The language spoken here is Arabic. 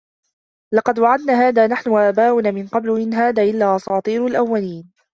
لقد وعدنا هذا نحن وآباؤنا من قبل إن هذا إلا أساطير الأولين